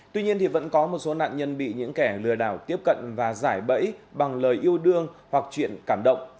tuy nhiên vẫn có một số nạn nhân bị những kẻ lừa đảo tiếp cận và giải bẫy bằng lời yêu đương hoặc chuyện cảm động